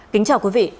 kính chào quý vị